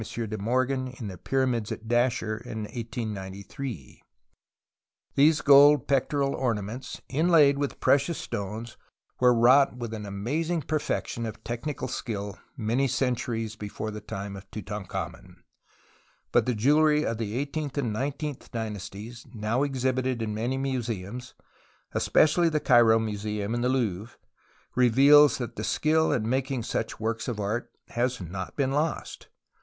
de Morgan in the Pyramids at Dashur in 82 TUTANKHAMEN 1893. These gold pectoral ornaments inlaid with precious stones were wrought with an amazing perfection of technical skill many centuries before the time of Tutankhamen ; but the jewellery of the eighteenth and nineteenth dynasties now exhibited in many museums (especially the Cairo Museum and the Louvre) reveals tliat the skill in making such works of art had not been lost.